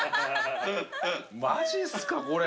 マジっすかこれ。